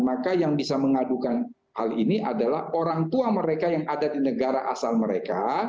maka yang bisa mengadukan hal ini adalah orang tua mereka yang ada di negara asal mereka